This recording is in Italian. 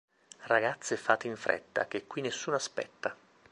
Ragazze fate in fretta, che qui nessuno aspetta